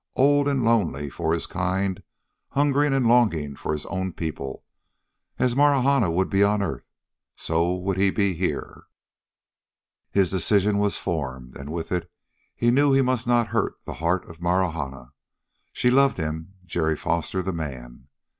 Old and lonely for his kind, hungering and longing for his own people. As Marahna would be on earth, so would he be here.... His decision was formed. And with it he knew he must not hurt the heart of Marahna. She loved him, Jerry Foster, the man.